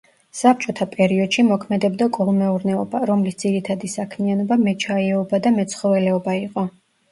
საბჭოთა პერიოდში მოქმედებდა კოლმეურნეობა, რომლის ძირითადი საქმიანობა მეჩაიეობა და მეცხოველეობა იყო.